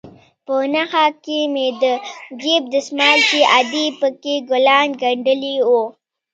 په نخښه کښې مې د جيب دسمال چې ادې پکښې ګلان گنډلي وو.